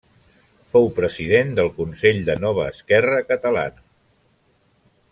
Fou president del Consell de Nova Esquerra Catalana.